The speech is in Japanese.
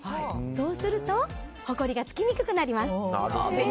そうするとほこりがつきにくくなります。